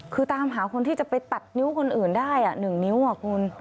คือตามหาคนที่จะไปตัดนิ้วคนอื่นได้๑นิ้วคุณ